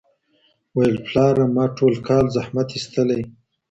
ويل پلاره ما ټول كال زحمت ايستلى